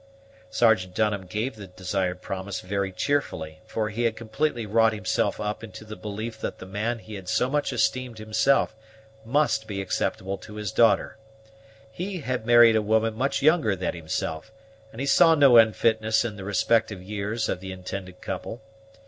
Sergeant Dunham gave the desired promise very cheerfully; for he had completely wrought himself up into the belief that the man he so much esteemed himself must be acceptable to his daughter. He had married a woman much younger than himself, and he saw no unfitness in the respective years of the intended couple.